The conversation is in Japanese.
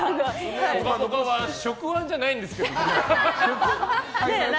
職安じゃないんですけどね。